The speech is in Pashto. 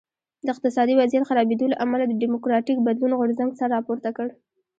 د اقتصادي وضعیت خرابېدو له امله د ډیموکراټیک بدلون غورځنګ سر راپورته کړ.